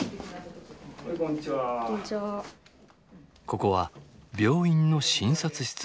ここは病院の診察室。